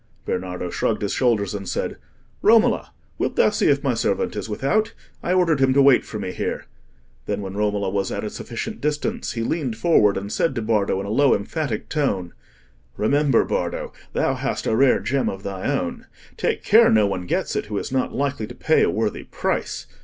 Bernardo shrugged his shoulders and said, "Romola, wilt thou see if my servant is without? I ordered him to wait for me here." Then, when Romola was at a sufficient distance, he leaned forward and said to Bardo in a low, emphatic tone— "Remember, Bardo, thou hast a rare gem of thy own; take care no one gets it who is not likely to pay a worthy price.